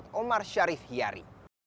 saya omar syarif hiari